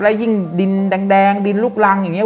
แล้วยิ่งดินแดงดินลุกรังอย่างนี้